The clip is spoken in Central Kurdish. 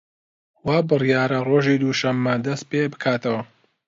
وا بریارە ڕۆژی دووشەممە دەست پێ بکاتەوە